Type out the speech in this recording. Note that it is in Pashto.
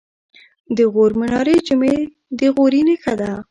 د غور منارې جمعې د غوري نښه ده